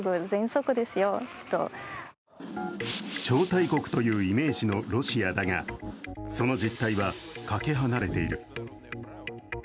超大国というイメージのロシアだが、その実態はかけ離れている。